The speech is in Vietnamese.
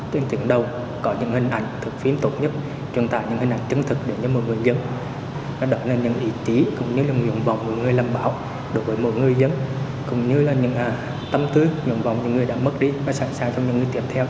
tuyên truyền đầu có những hình ảnh thực phím tốt nhất truyền tải những hình ảnh chứng thực đến với mọi người dân